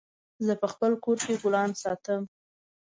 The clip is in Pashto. زه په خپل کور کي ګلان ساتم